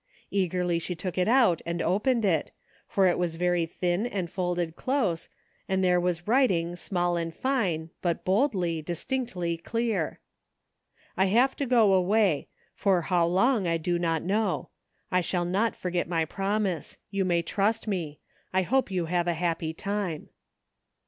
Eagerly she took it out and opened it, for it was very thin and folded close, and there was writing, small and fine, but boldly, distinctly clear :*' I have to go away. For how long I do not know. 163 THE FINDING OF JASFEB HOLT I shall not forget my promise. You may trust me. I hope you have a happy time."